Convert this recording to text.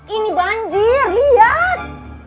ini banjir lihat